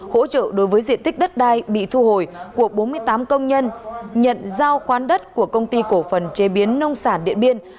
hỗ trợ đối với diện tích đất đai bị thu hồi của bốn mươi tám công nhân nhận giao khoán đất của công ty cổ phần chế biến nông sản điện biên